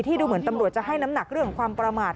ดูเหมือนตำรวจจะให้น้ำหนักเรื่องความประมาท